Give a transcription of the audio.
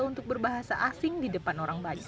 untuk berbahasa asing di depan orang banyak